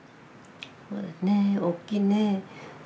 ねえ大きいね。